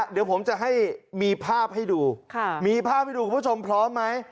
เดี๋ยวผมจะให้มีภาพให้ดูมีภาพให้ดูคุณผู้ชมพร้อมไหม